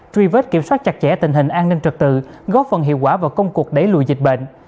truy vết kiểm soát chặt chẽ tình hình an ninh trật tự góp phần hiệu quả vào công cuộc đẩy lùi dịch bệnh